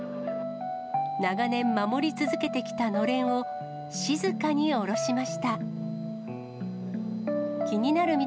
長年、守り続けてきたのれんを静かに下ろしました。